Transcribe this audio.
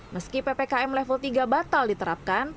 meski ppkm level tiga batal diterapkan